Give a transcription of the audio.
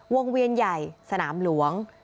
เวียนใหญ่สนามหลวง